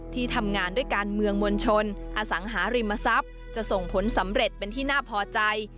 ที่ทำงานด้วยการเมืองมวลชนอสังหาริมทรัพย์จะส่งผลสำเร็จเป็นที่น่าพอใจ